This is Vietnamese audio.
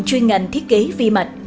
chuyên ngành thiết kế vi mạch